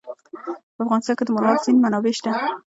په افغانستان کې د مورغاب سیند منابع شته.